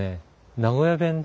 名古屋弁で。